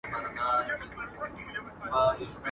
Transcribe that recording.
ډاکټر هغه دئ چي پر ورغلي وي.